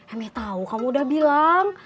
emek tahu kamu sudah bilang